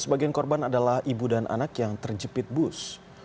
sebagian korban adalah ibu dan anak yang terjepit bus